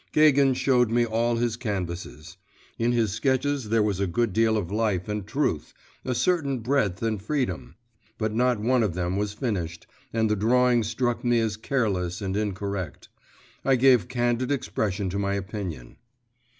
Gagin showed me all his canvases. In his sketches there was a good deal of life and truth, a certain breadth and freedom; but not one of them was finished, and the drawing struck me as careless and incorrect. I gave candid expression to my opinion.